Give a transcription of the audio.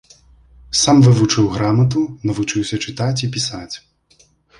Сам вывучыў грамату, навучыўся чытаць і пісаць.